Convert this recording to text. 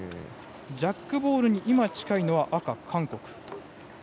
ジャックボールに今近いのは赤、韓国。